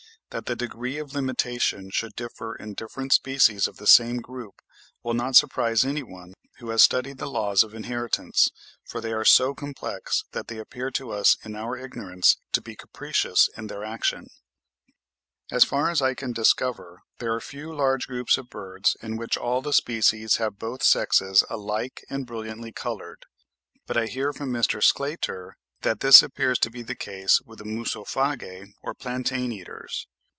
That the degree of limitation should differ in different species of the same group will not surprise any one who has studied the laws of inheritance, for they are so complex that they appear to us in our ignorance to be capricious in their action. (28. See remarks to this effect in 'Variation of Animals and Plants under Domestication,' vol. ii. chap. xii.) As far as I can discover there are few large groups of birds in which all the species have both sexes alike and brilliantly coloured, but I hear from Mr. Sclater, that this appears to be the case with the Musophagae or plantain eaters.